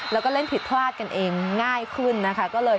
แล้วก็เล่นผิดพลาดกันเองง่ายขึ้นนะคะ